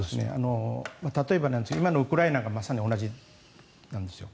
例えばなんですけど今のウクライナがまさに同じなんですよ。